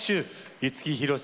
五木ひろしさん